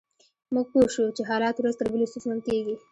موږ پوه شوو چې حالات ورځ تر بلې ستونزمن کیږي